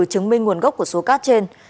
chứng minh nguồn gốc của số cát trên